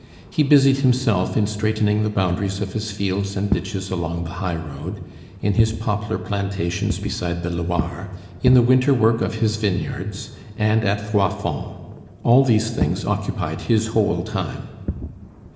He busied himself in straightening the boundaries of his fields and ditches along the high road, in his poplar plantations beside the Loire, in the winter work of his vineyards, and at Froidfond. All these things occupied his whole time.